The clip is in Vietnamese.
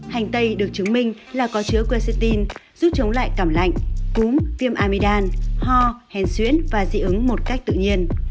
hành tây được chứng minh là có chứa cricetine giúp chống lại cảm lạnh cúm viêm amidam ho hèn xuyễn và dị ứng một cách tự nhiên